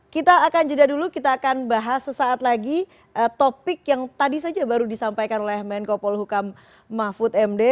kita akan jeda dulu kita akan bahas sesaat lagi topik yang tadi saja baru disampaikan oleh menko polhukam mahfud md